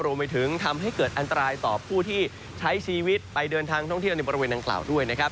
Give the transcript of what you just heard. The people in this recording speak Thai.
รวมไปถึงทำให้เกิดอันตรายต่อผู้ที่ใช้ชีวิตไปเดินทางท่องเที่ยวในบริเวณดังกล่าวด้วยนะครับ